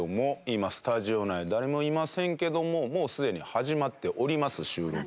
今スタジオ内誰もいませんけどももうすでに始まっております収録。